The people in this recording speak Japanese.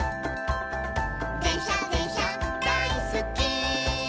「でんしゃでんしゃだいすっき」